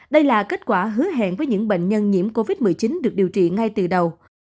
đây là kết quả hứa hẹn với những bệnh nhân nhiễm covid một mươi chín được điều trị ngay từ đầu